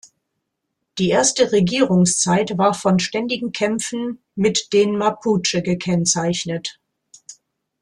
Die erste Regierungszeit war von ständigen Kämpfen mit den Mapuche gekennzeichnet.